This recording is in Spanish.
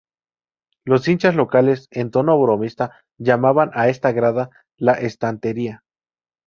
Los hinchas locales, en tono bromista, llamaban a esta grada "La Estantería".